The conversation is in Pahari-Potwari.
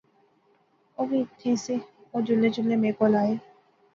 اووی ایتھیں سے، او جلنے جلنے میں کول آئے